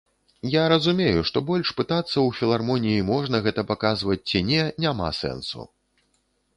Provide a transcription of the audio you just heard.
Я разумею, што больш пытацца ў філармоніі, можна гэта паказваць ці не, няма сэнсу.